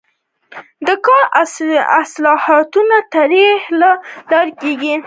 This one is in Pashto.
دا کار د اصلاحاتو د طرحې له لارې کیږي.